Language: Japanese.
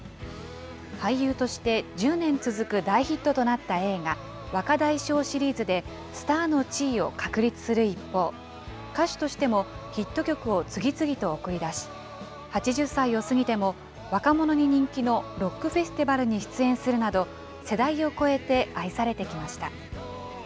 俳優として１０年続く大ヒットとなった映画、若大将シリーズでスターの地位を確立する一方、歌手としてもヒット曲を次々と送り出し、８０歳を過ぎても若者に人気のロックフェスティバルに出演するなど、世代を超えて愛されてきました。